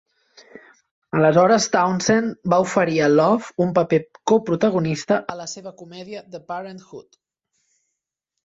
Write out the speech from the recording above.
Aleshores Townsend va oferir a Love un paper coprotagonista a la seva comèdia 'The Parent 'Hood''.